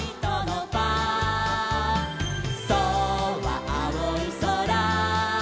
「『ソ』はあおいそら」